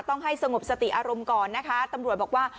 ต้องให้สงบสติอารมณ์ก่อนนะคะตำรวจบอกว่า